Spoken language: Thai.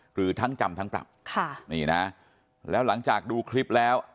หรือทั้งจำทั้งปรับค่ะนี่นะแล้วหลังจากดูคลิปแล้ว